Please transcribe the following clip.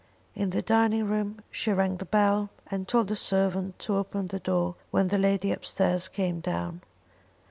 In the dining room she rang the bell and told the servant to open the door when the lady upstairs came down.